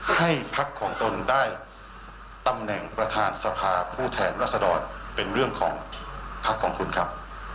ให้พักของตนได้ตำแหน่งประธานสภาผู้แทนรัศดรเป็นเรื่องของพักของคุณครับ